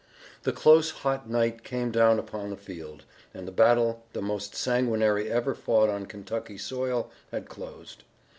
The close hot night came down upon the field, and the battle, the most sanguinary ever fought on Kentucky soil, had closed.